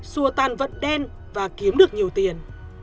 xua tan vận đen và kiếm được nhiều tiền